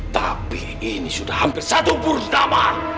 tapi ini sudah hampir satu bulan lama